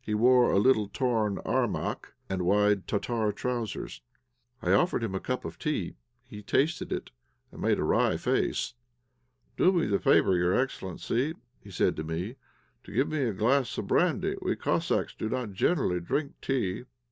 He wore a little torn armak, and wide Tartar trousers. I offered him a cup of tea; he tasted it, and made a wry face. "Do me the favour, your excellency," said he to me, "to give me a glass of brandy; we Cossacks do not generally drink tea."